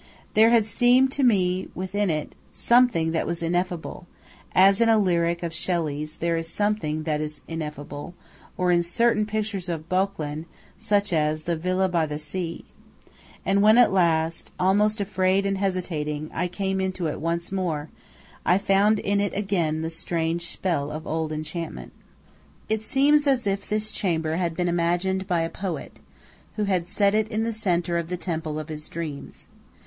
There had seemed to me within it something that was ineffable, as in a lyric of Shelley's there is something that is ineffable, or in certain pictures of Boecklin, such as "The Villa by the Sea." And when at last, almost afraid and hesitating, I came into it once more, I found in it again the strange spell of old enchantment. It seems as if this chamber had been imagined by a poet, who had set it in the centre of the temple of his dreams.